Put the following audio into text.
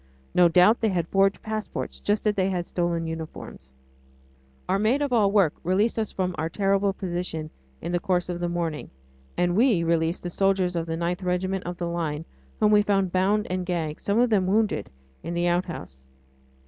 No doubt they had forged passports, just as they had stolen uniforms. Our maid of all work released us from our terrible position in the course of the morning, and we released the soldiers of the 9th Regiment of the Line, whom we found bound and gagged, some of them wounded, in the outhouse.